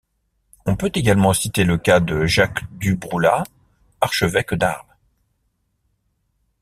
On peut également citer le cas de Jacques du Broullat, archevêque d'Arles.